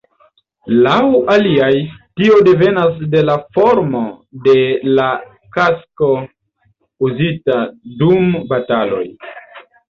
Laŭ aliaj, tio devenas de la formo de la kasko uzita dum bataloj.